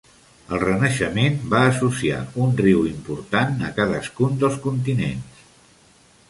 El Renaixement va associar un riu important a cadascun dels continents.